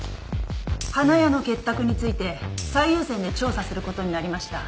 花屋の結託について最優先で調査することになりました。